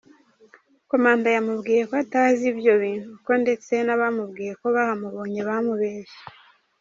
Komanda yamubwiye ko atazi ibyo bintu ko ndetse n’abamubwiye ko bahamubonye bamubeshye.